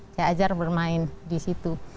saya ajar bermain di situ